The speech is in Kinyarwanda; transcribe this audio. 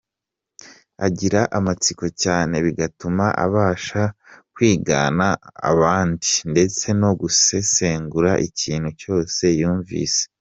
Agira amatsiko cyane bigatuma abasha kwigana abandi ndetse no gusesengura ikintu cyose yumvise.